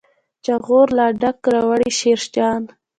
جاغور لا ډک راوړي شیرجان.